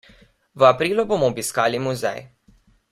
V aprilu bomo obiskali muzej.